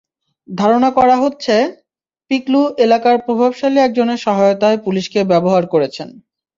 ধারণা করা হচ্ছে, পিকলু এলাকার প্রভাবশালী একজনের সহায়তায় পুলিশকে ব্যবহার করেছেন।